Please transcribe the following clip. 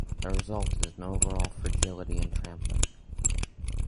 The result is a an overall fragility in trampling.